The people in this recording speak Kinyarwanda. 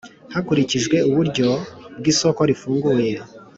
Hakurikijwe uburyo bw isoko rifunguye